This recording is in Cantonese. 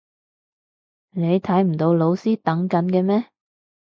你睇唔到老師等緊嘅咩？